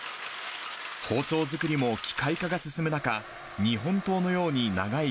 包丁作りも機械化が進む中、日本刀のように長い